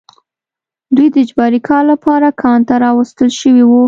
دوی د اجباري کار لپاره کان ته راوستل شوي وو